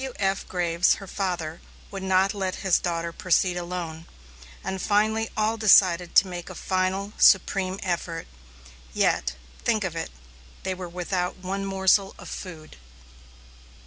W.F. Graves, her father, would not let his daughter proceed alone, and finally all decided to make a final, supreme effort. Yet think of it they were without one morsel of food!